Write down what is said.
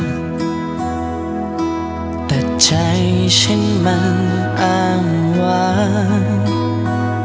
เธอที่เคยรักแต่ใจฉันมันอ้างวาง